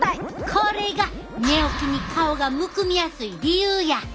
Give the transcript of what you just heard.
これが寝起きに顔がむくみやすい理由や！